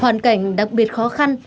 hoàn cảnh đặc biệt khó khăn